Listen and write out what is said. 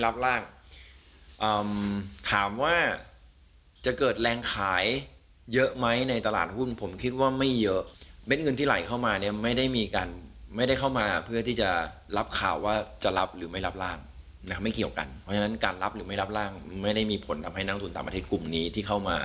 ปัจจัยเพื่อนฐานเศรษฐกาล